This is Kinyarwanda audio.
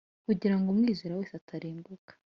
kugira ngo umwizera wese atarimbuka,